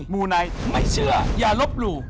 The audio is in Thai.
มูไนท์ไม่เชื่ออย่าลบหลู่